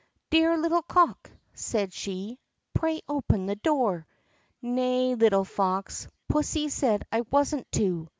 "Dear little cock!" said she, "pray open the door!" "Nay, little fox! Pussy said I wasn't to."